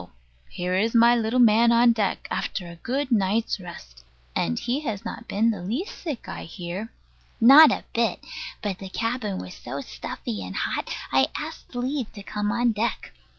Here is my little man on deck, after a good night's rest. And he has not been the least sick, I hear. Not a bit: but the cabin was so stuffy and hot, I asked leave to come on deck.